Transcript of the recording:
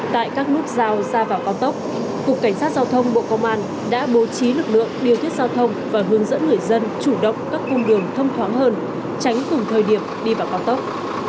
tại các nút giao ra vào cao tốc cục cảnh sát giao thông bộ công an đã bố trí lực lượng điều tiết giao thông và hướng dẫn người dân chủ động các cung đường thông thoáng hơn tránh cùng thời điểm đi vào cao tốc